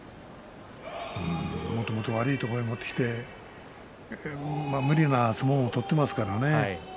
悪いところにもってきて無理な相撲を取っていますからね。